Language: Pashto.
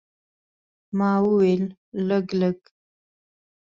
ما وویل، لږ، لږ.